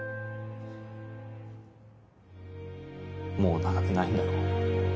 もう長くないんだろ？